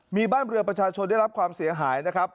มีบ้านเรือประชาชนได้รับความเสียหายนะครับ